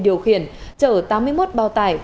điều khiển chở tám mươi một bao tải